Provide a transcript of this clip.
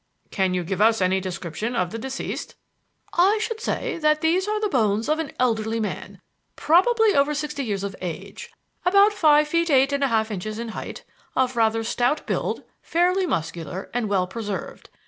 "Can you give us any description of the deceased?" "I should say that these are the bones of an elderly man, probably over sixty years of age, about five feet eight and a half inches in height, of rather stout build, fairly muscular, and well preserved.